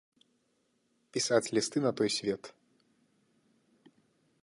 Пісаць лісты на той свет!